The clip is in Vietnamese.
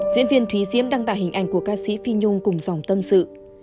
diễn viên thúy diễm đăng tải hình ảnh của ca sĩ phi nhung cùng dòng tâm sự